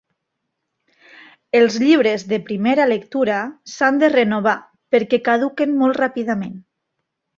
Els llibres de primera lectura s’han de renovar perquè caduquen molt ràpidament.